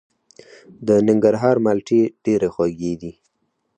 د ننګرهار مالټې ډیرې خوږې دي.